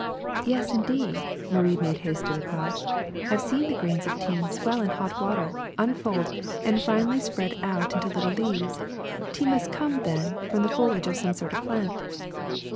'' Yes, indeed,'' Marie made haste to reply, *'I have seen the grains of tea swell in hot water, un fold, and finally spread out into little leaves. Tea must come, then, from the foliage of some sort of plant."